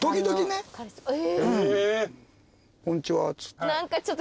「こんちは」っつって。